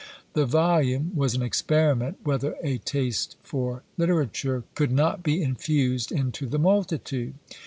The volume was an experiment whether a taste for literature could not be infused into the multitude.